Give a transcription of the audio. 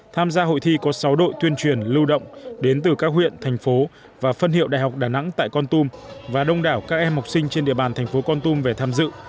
tham gia hội thi có sáu đội tuyên truyền lưu động đến từ các huyện thành phố và phân hiệu đại học đà nẵng tại con tum và đông đảo các em học sinh trên địa bàn thành phố con tum về tham dự